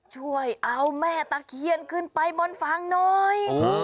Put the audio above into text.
ช่วยเอาแม่ตะเคียนขึ้นไปบนฟางหน่อย